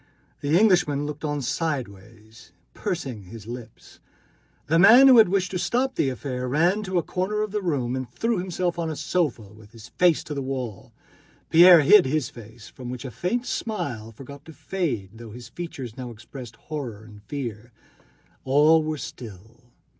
The Englishman looked on sideways, pursing up his lips. The man who had wished to stop the affair ran to a corner of the room and threw himself on a sofa with his face to the wall. Pierre hid his face, from which a faint smile forgot to fade though his features now expressed horror and fear. All were still.